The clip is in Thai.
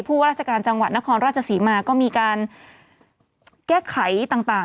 ว่าราชการจังหวัดนครราชศรีมาก็มีการแก้ไขต่าง